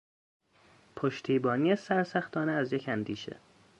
پشتیبانی سرسختانه از یک اندیشه